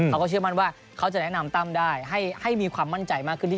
เขาก็เชื่อมั่นว่าเขาจะแนะนำตั้มได้ให้มีความมั่นใจมากขึ้นที่